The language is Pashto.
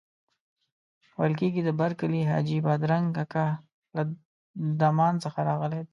ویل کېږي د برکلي حاجي بادرنګ اکا له دمان څخه راغلی.